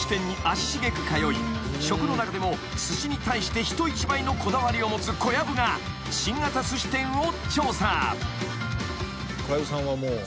食の中でもすしに対して人一倍のこだわりを持つ小籔が新型すし店を調査］